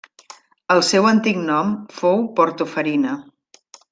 El seu antic nom fou Porto Farina.